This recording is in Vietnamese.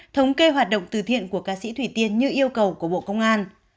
thống kê hoạt động từ thiện của ca sĩ thủy tiên như yêu cầu của bộ công an